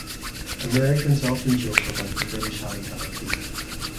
Americans often joke about the British having bad teeth.